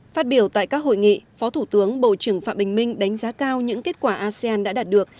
phát biểu tại các hội nghị phó thủ tướng bộ trưởng phạm bình minh đánh giá cao những kết quả asean đã đạt được